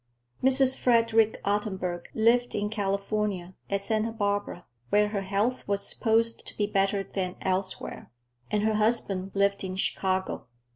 Mrs. Frederick Ottenburg lived in California, at Santa Barbara, where her health was supposed to be better than elsewhere, and her husband lived in Chicago.